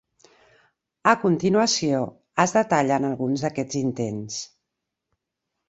A continuació, es detallen alguns d'aquests intents.